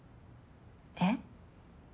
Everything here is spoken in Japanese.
えっ？